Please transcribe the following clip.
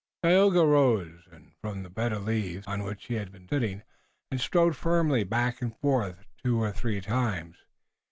Tayoga rose from the bed of leaves, on which he had been sitting, and strode firmly back and forth two or three times.